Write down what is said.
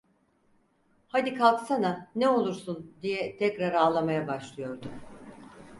Hadi kalksana, ne olursun! diye tekrar ağlamaya başlıyordu.